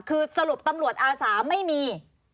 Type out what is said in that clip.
คือสรุปตำรวจอาสาไม่มี